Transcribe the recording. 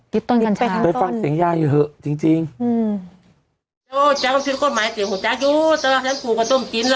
ยึดต้นกัญชาเป็นหญ้าอยู่เหอะจริงจริงอืม